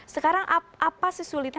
sekarang apa sih sulitnya